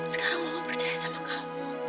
sekarang mama percaya sama kamu